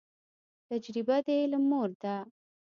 تجریبه د علم مور ده